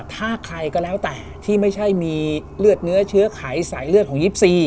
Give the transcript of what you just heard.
ถ้าใครก็แล้วแต่ที่ไม่ใช่มีเลือดเนื้อเชื้อไขสายเลือดของ๒๔